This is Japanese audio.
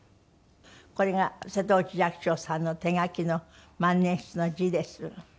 これが瀬戸内寂聴さんの手書きの万年筆の字です。